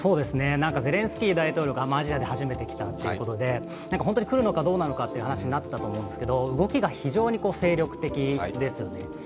ゼレンスキー大統領がアジアで初めて来たということで本当に来るのかどうなのかという話になっていたと思うんですけど動きが非常に精力的ですよね。